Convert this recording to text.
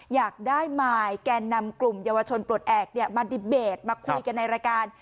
อยากได้มายแกนนำกลุ่มเยาวชนปลดแอบมาดีเบตมาคุยกันในรายการ